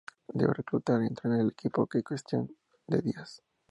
Debe reclutar y entrenar al equipo en cuestión de días.